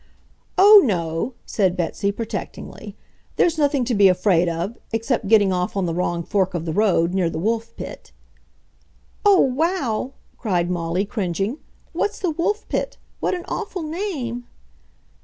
"Oh, no!" said Betsy, protectingly; "there's nothing to be afraid of, except getting off on the wrong fork of the road, near the Wolf Pit." "Oh, OW!" said Molly, cringing. "What's the Wolf Pit? What an awful name!"